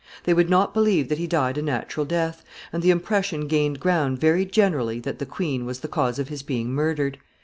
They would not believe that he died a natural death, and the impression gained ground very generally that the queen was the cause of his being murdered.